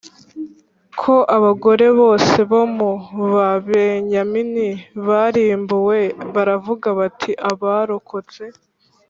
Ko abagore bose bo mu babenyamini barimbuwe baravuga bati abarokotse